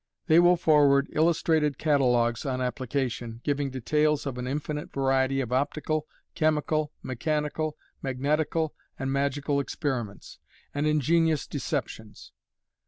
They will forward illustrated catalogues on application, giving details of an infinite variety of Optical, Chemical, Mechanical, Magnetical, and Magical Experiments, and ingenious deceptions.